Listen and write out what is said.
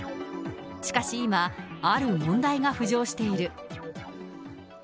しかし今、ある問題が浮上している。